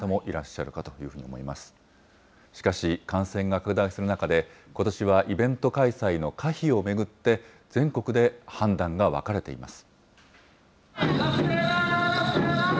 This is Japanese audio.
しかし、感染が拡大する中で、ことしはイベント開催の可否を巡って、全国で判断が分かれています。